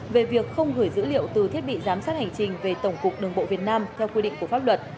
về việc không gửi dữ liệu từ thiết bị giám sát hành trình về tổng cục đường bộ việt nam theo quy định của pháp luật